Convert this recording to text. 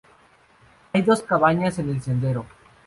Hay dos cabañas en el sendero.